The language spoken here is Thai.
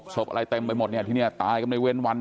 ศพอะไรเต็มไปหมดเนี่ยที่นี่ตายกันในเว้นวัน